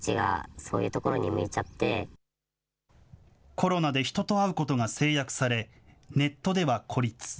コロナで人と会うことが制約され、ネットでは孤立。